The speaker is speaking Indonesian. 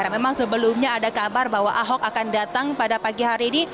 memang sebelumnya ada kabar bahwa ahok akan datang pada pagi hari ini